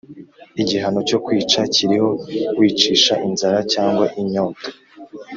Igihano cyo kwica kiriho wicisha inzara cyangwa inyota